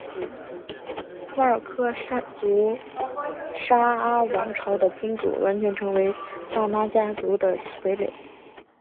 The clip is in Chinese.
廓尔喀族沙阿王朝的君主完全成为拉纳家族的傀儡。